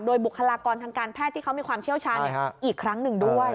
บุคลากรทางการแพทย์ที่เขามีความเชี่ยวชาญอีกครั้งหนึ่งด้วย